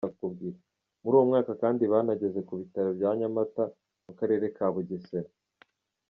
Muri uwo mwaka kandi banageze no ku Bitaro bya Nyamata mu Karere ka Bugesera.